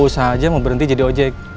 usaha aja mau berhenti jadi ojek